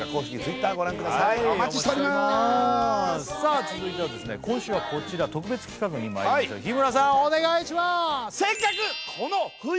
続いては今週はこちら特別企画にまいりましょう日村さんお願いします！